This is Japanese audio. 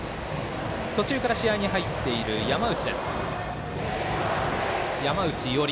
途中から試合に入っている山内。